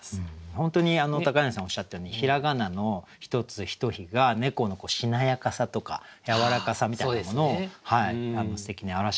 本当に柳さんおっしゃったように平仮名の「ひとつひとひ」が猫のしなやかさとかやわらかさみたいなものをすてきに表してくれてるなと思いました。